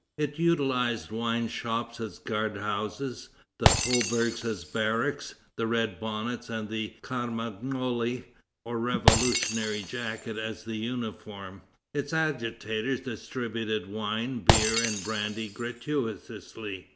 It utilized wineshops as guard houses, the faubourgs as barracks, the red bonnet and the carmagnole, or revolutionary jacket, as a uniform. Its agitators distributed wine, beer, and brandy gratuitously.